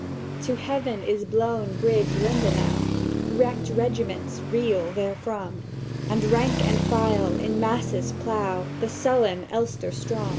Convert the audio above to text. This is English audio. "To Heaven is blown Bridge Lindenau; Wrecked regiments reel therefrom; And rank and file in masses plough The sullen Elster Strom.